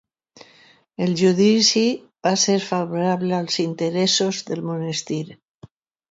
El judici va ser favorable als interessos del monestir.